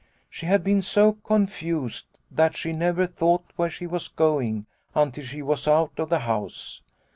" She had been so confused that she never thought where she was going until she was out of the house.